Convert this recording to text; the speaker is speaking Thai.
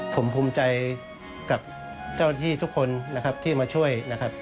ผมภูมิใจกับเจ้าที่ทุกคนที่มาช่วย